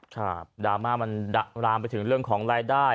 ดราม่ามันดะรามไปถึงเรื่องของรายได้